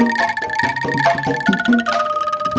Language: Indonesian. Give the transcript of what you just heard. ini sudah selesai